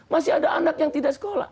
masih ada anak yang tidak sekolah